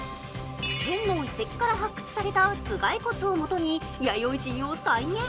県の遺跡から発掘された頭蓋骨をもとに、弥生人を再現。